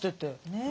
ねえ